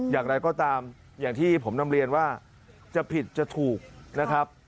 อย่างไรก็ตามอย่างที่ผมนำเรียนว่าจะผิดจะถูกนะครับ